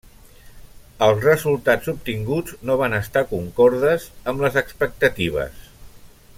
Els resultats obtinguts no van estar concordes amb les expectatives.